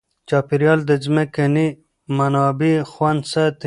چاپیریال د ځمکې منابع خوندي ساتي.